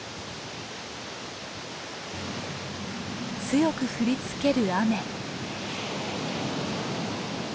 強く降りつける雨。